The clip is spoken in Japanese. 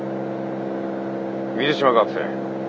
水島学生。